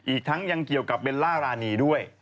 อีกทั้งยังเกี่ยวกับเบลล่ารานีด้วย